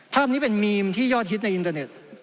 ภาพนี้เป็นมีมที่ยอดฮิตในอินเตอร์เน็ต